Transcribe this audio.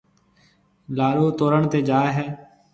لاڏو تورڻ تيَ جائيَ ھيََََ